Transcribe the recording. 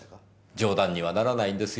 冗談にはならないんですよ。